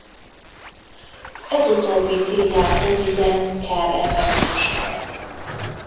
Ez utóbbit hívják röviden Kerr-effektusnak.